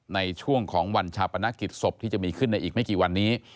ในช่วงของวันชาปนกิจศพที่จะมีขึ้นในอีกไม่กี่วันนี้